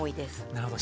なるほど。